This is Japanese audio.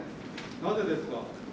なぜですか。